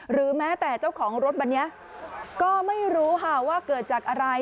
หรือแม้แต่เจ้าของรถวันนี้ก็ไม่รู้ค่ะว่าเกิดจากอะไร